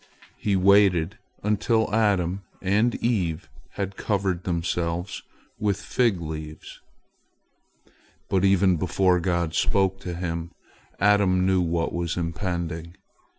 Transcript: He waited until Adam and Eve had covered themselves with fig leaves. But even before God spoke to him, Adam knew what was impending.